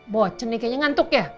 boh ceni kayaknya ngantuk ya